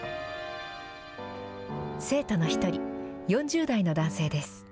生徒の１人、４０代の男性です。